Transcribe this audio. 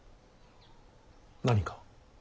何か？